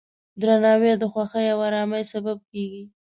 درناوی د خوښۍ او ارامۍ سبب کېږي.